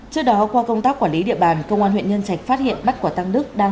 trước đó qua công tác quản lý địa bàn công an huyện nhân trạch phát hiện bắt quả tăng đức đang